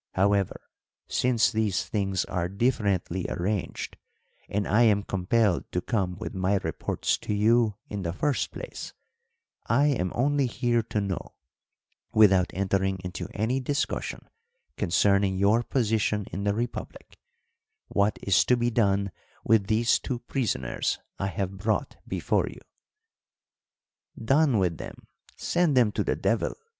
However, since these things are differently arranged, and I am compelled to come with my reports to you in the first place, I am only here to know, without entering into any discussion concerning your position in the republic, what is to be done with these two prisoners I have brought before you." "Done with them! Send them to the devil!